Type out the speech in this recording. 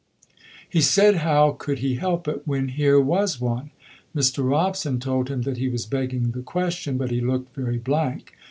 He said how could he help it when here was one? Mr. Robson told him that he was begging the question, but he looked very blank.